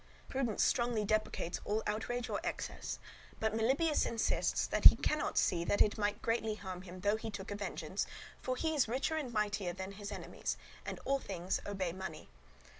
Prudence strongly deprecates all outrage or excess; but Melibœus insists that he cannot see that it might greatly harm him though he took a vengeance, for he is richer and mightier than his enemies, and all things obey money.